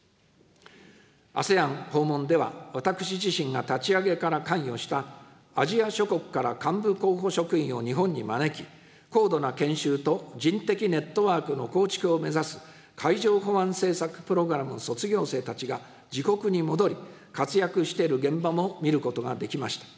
ＡＳＥＡＮ訪問では、私自身が立ち上げから関与した、アジア諸国から幹部候補職員を日本に招き、高度な研修と人的ネットワークの構築を目指す海上保安政策プログラムの卒業生たちが自国に戻り、活躍している現場も見ることができました。